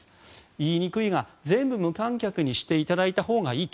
言いにくいが全部無観客にしていただいたほうがいいと。